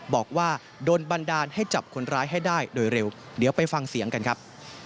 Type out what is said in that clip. บอกว่าโดนบันดาลให้จับคนร้ายให้ได้โดยเร็วเดี๋ยวไปฟังเสียงกันครับ